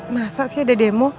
masa sih ada demo